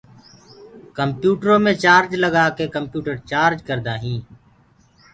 ڪمپيوٽرو مي چآرجر لگآ ڪي ڪمپيوٽر چآرج ڪردآ هين